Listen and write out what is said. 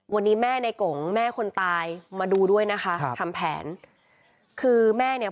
วันนี้แม่ในกงแม่คนตายมาดูด้วยนะคะครับทำแผนคือแม่เนี่ย